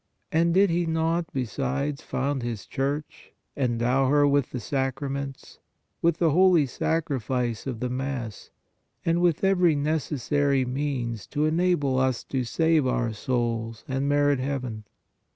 And did He not, besides, found His Church, endow her with the Sacraments, with the Holy Sacrifice of the Mass and with every necessary means to enable us to save our souls and merit heaven?